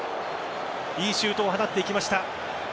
いいシュートを放っていきました。